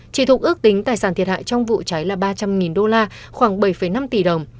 trị thuộc ước tính tài sản thiệt hại trong vụ cháy là ba trăm linh đô la khoảng bảy năm tỷ đồng